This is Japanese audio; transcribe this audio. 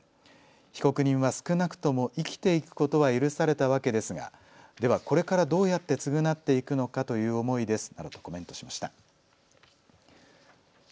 被告人は少なくとも生きていくことは許されたわけですがではこれからどうやって償っていくのかという思いですなどとコメントしました。